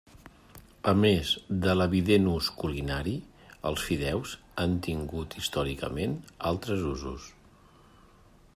A més de l'evident ús culinari, els fideus han tingut històricament altres usos.